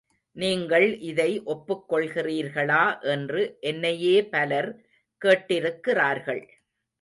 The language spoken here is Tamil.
நீங்கள் இதை ஒப்புக் கொள்கிறீர்களா என்று என்னையே பலர் கேட்டிருக்கிறார்கள்.